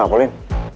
aduh aku mau pulang